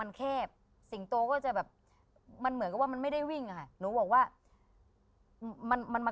ชีวิ่งโตนะอย่าเผลอออกมานอกบ้านนะ